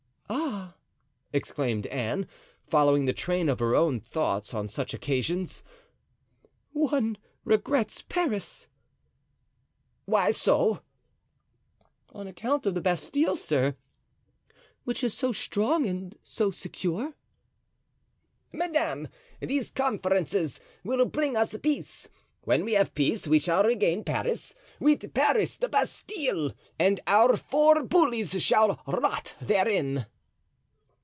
"Ah!" exclaimed Anne, following the train of her own thoughts on such occasions, "one regrets Paris!" "Why so?" "On account of the Bastile, sir, which is so strong and so secure." "Madame, these conferences will bring us peace; when we have peace we shall regain Paris; with Paris, the Bastile, and our four bullies shall rot therein."